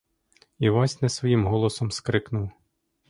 Івась не своїм голосом скрикнув.